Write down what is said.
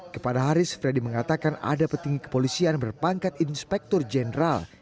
kepada haris freddy mengatakan ada petinggi kepolisian berpangkat inspektur jenderal